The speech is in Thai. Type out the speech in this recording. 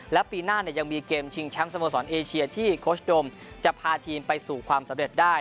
และปีหน้ายังมีเกมชิงแชมป์สโมสรเอเชียที่โค้ชโดมจะพาทีมไปสู่ความสำเร็จได้